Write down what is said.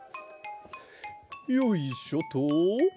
よいしょと。